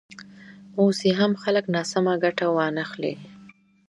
اوس یې هم خلک ناسمه ګټه وانخلي.